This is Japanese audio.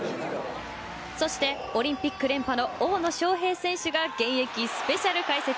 そして、オリンピック連覇の大野将平選手が現役スペシャル解説。